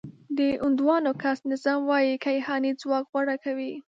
د هندوانو کاسټ نظام وايي کیهاني ځواک غوره کوي.